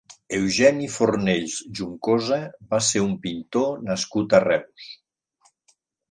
Eugeni Fornells Juncosa va ser un pintor nascut a Reus.